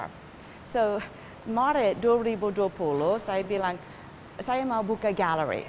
jadi maret dua ribu dua puluh saya bilang saya mau buka galeri